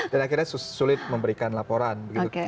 dan akhirnya sulit memberikan laporan